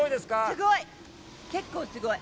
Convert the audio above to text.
すごい結構すごい。